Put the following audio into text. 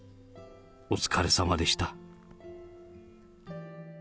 お疲れさまでした。